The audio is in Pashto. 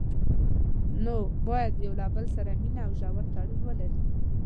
نو باید له یو بل سره مینه او ژور تړون ولري.